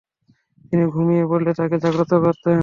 তিনি ঘুমিয়ে পড়লে তাঁকে জাগ্রত করতেন।